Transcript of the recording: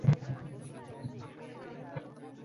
আমি যদি বার্সাকে ঘৃণা করি, তাহলে সেটা তাদেরই সমস্যা, আমার নয়।